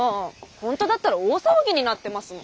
ほんとだったら大騒ぎになってますもん。